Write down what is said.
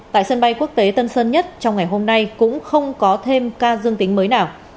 tại sân bay quốc tế tân sơn nhất trong ngày hôm nay cũng không có thêm ca dương tính mới nào